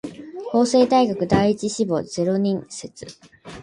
法政大学第一志望ゼロ人説